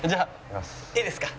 いいですか？